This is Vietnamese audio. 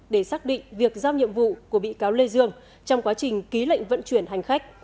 để xác định việc giao nhiệm vụ của bị cáo lê dương trong quá trình ký lệnh vận chuyển hành khách